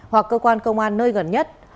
hoặc cơ quan công an nơi gần nhất